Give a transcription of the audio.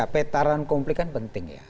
petaran konflik kan penting ya